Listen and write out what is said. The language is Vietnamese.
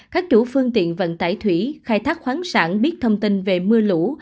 các chủ phương tiện vận tải thủy khai thác khoáng sản biết thông tin về mưa lũ